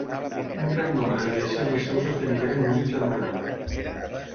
Un gran nombre de deixebles seus esdevingueren músics d'anomenada.